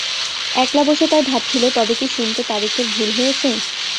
একলা বসে তাই ভাবছিল–তবে কি শুনতে তারিখের ভুল হয়েছে।